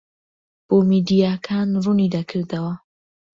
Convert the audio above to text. بۆ میدیاکان ڕوونی دەکردەوە